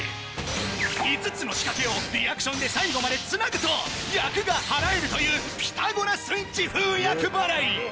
５つの仕掛けをリアクションで最後までつなぐと厄が払えるというピタゴラスイッチ風厄払い。